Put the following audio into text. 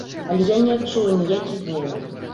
Але я не адчула ніякіх зменаў.